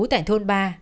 tại thôn ba